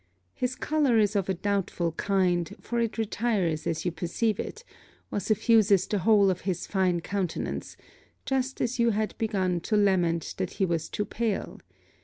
His colour is of a doubtful kind; for it retires as you perceive it, or suffuses the whole of his fine countenance, just as you had begun to lament that he was too pale.